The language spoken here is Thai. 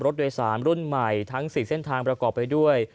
รถโดยสารรุ่นใหม่ทั้ง๔เส้นทางประกอบไปด้วย